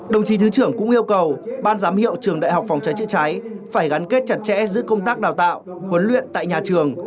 đồng chí thứ trưởng cũng yêu cầu ban giám hiệu trường đại học phòng cháy chữa cháy phải gắn kết chặt chẽ giữa công tác đào tạo huấn luyện tại nhà trường